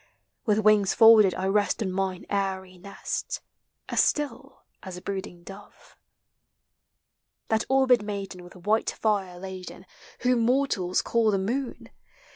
With wings folded I rest on mine airy nest, As still as a brooding dove. i fa That orbed maiden with white fire laden. Whom mortals call the moon.